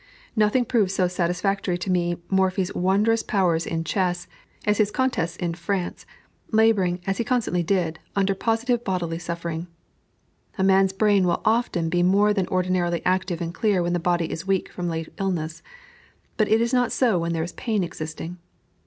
Nothing proves so satisfactorily to me Morphy's wondrous powers in chess, as his contests in France, laboring, as he constantly did, under positive bodily suffering. A man's brain will often be more than ordinarily active and clear when the body is weak from late illness; but it is not so when there is pain existing.